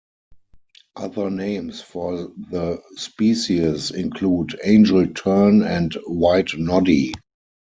Other names for the species include angel tern and white noddy.